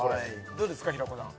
どうですか平子さん？